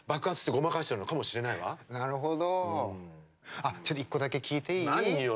あっちょっと１個だけ聞いていい？何よ？